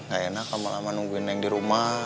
gak enak lama lama nungguin yang di rumah